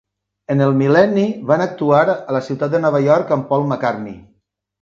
En el mil·lenni, van actuar a la ciutat de Nova York amb Paul MacCartney.